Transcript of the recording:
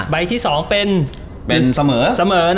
ใบที่๒เป็นเสมอ